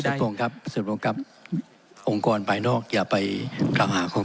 ส่วนโปรงครับส่วนโปรงครับองค์กรไปนอกอย่าไปกล่าวหาคน